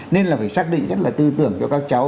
nên là phải xác định rất là tư tưởng cho các cháu